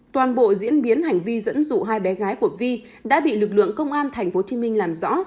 toàn bộ diễn biến hành vi dẫn dụ hai bé gái của vi đã bị lực lượng công an tp hcm làm rõ